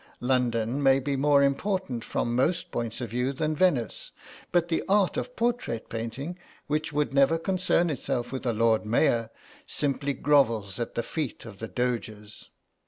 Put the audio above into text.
London may be more important from most points of view than Venice, but the art of portrait painting, which would never concern itself with a Lord Mayor, simply grovels at the feet of the Doges.